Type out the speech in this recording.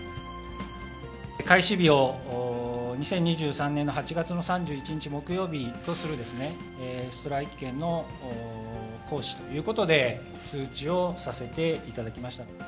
開始日を２０２３年の８月の３１日木曜日とするストライキ権の行使ということで、通知をさせていただきました。